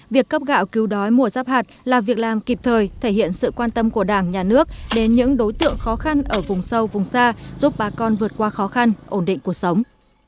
việc cấp gạo cứu đói mùa giáp hạt là việc làm kịp thời thể hiện sự quan tâm của đảng nhà nước đến những đối tượng khó khăn ở vùng sâu vùng xa giúp bà con vượt qua khó khăn ổn định cuộc sống